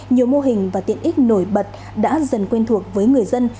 nhiều mô hình và tiện ích nổi bật đã dần quen thuộc với người dân